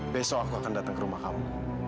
besok aku akan datang ke rumah kamu